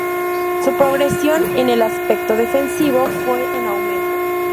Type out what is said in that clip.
Su progresión en el aspecto defensivo fue en aumento.